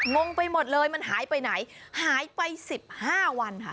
งงไปหมดเลยมันหายไปไหนหายไปสิบห้าวันค่ะ